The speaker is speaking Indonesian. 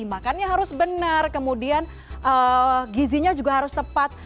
makannya harus benar kemudian gizinya juga harus tepat